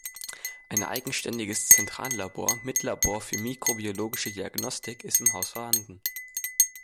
Ein eigenständiges Zentrallabor mit Labor für mikrobiologische Diagnostik ist im Haus vorhanden.